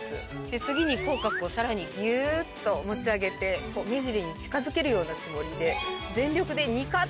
次に口角をさらにぎゅっと持ち上げて目尻に近づけるようなつもりで。